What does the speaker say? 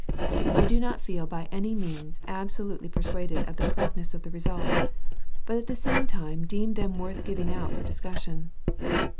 I do not feel by any means abso lutely persuaded of the correctness of the results, but at the same time deem them worth giving out for discussion.